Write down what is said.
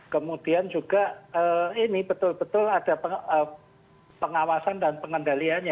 kemudian juga ini betul betul ada pengawasan dan pengendaliannya